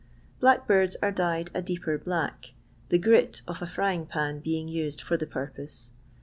Black birds are dyed a deeper bUck, the " grit" off a frying pan being used for the purpose.